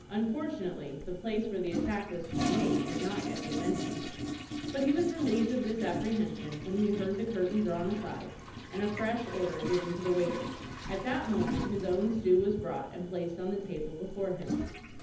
Unfortunately, the place where the attack was to be made had not yet been mentioned. But he was relieved of this apprehension when he heard the curtain drawn aside, and a fresh order given to the waiter. At that moment his own stew was brought, and placed on the table before him.